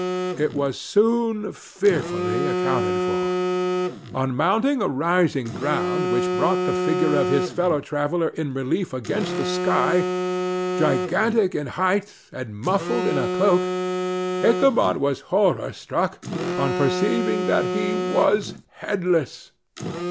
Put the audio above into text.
It was soon fearfully accounted for. On mounting a rising ground, which brought the figure of his fellow traveller in relief against the sky, gigantic in height, and muffled in a cloak, Ichabod was horror struck on perceiving that he was headless!